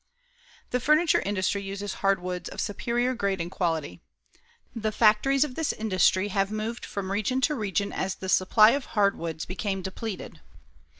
The furniture industry uses hardwoods of superior grade and quality. The factories of this industry have moved from region to region as the supply of hardwoods became depleted.